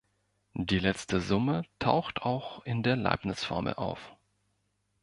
Die letzte Summe taucht auch in der Leibniz' Formel auf.